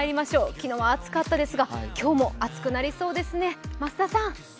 昨日は暑かったですが今日も暑くなりそうですね。